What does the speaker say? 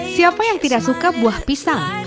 siapa yang tidak suka buah pisang